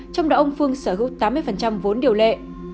trong đó ông phương sở hữu tám mươi vốn điều lệ